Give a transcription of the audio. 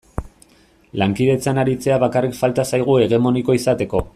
Lankidetzan aritzea bakarrik falta zaigu hegemoniko izateko.